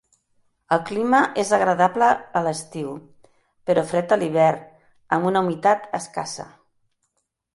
El clima és agradable a l'estiu, però fred a l'hivern, amb una humitat escassa.